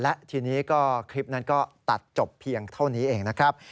และทีนี้ก็คลิปนั้นก็ตัดจบเพียงเท่านี้เองนะครับ